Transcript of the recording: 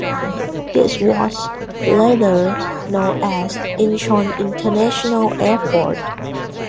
This was later known as Incheon International Airport.